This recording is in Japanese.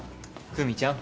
久実ちゃん